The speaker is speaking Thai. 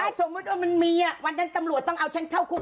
สมมุติว่ามันมีวันนั้นตำรวจต้องเอาฉันเข้าคุก